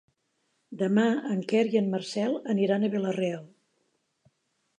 Demà en Quer i en Marcel aniran a Vila-real.